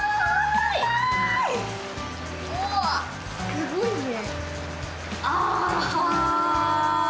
すごいね。